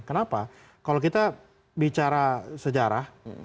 kenapa kalau kita bicara sejarah